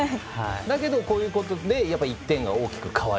だけど、こういうことで１点が大きく変わる。